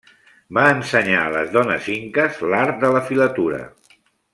Va ensenyar a les dones inques l'art de la filatura.